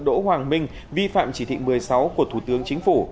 đỗ hoàng minh vi phạm chỉ thị một mươi sáu của thủ tướng chính phủ